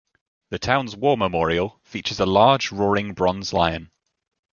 The town's war memorial features a large roaring bronze lion.